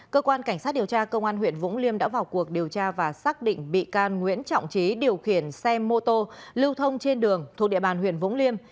cơ quan cảnh sát điều tra công an huyện vũng liêm đã vào cuộc điều tra và xác định bị can nguyễn trọng trí điều khiển xe mô tô lưu thông trên đường thuộc địa bàn huyện vũng liêm